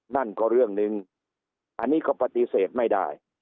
นั่นก็เรื่องหนึ่งอันนี้ก็ปฏิเสธไม่ได้